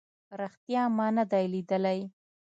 ریښتیا ما نه دی لیدلی